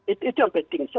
itu yang penting